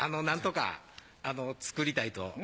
なんとか作りたいと。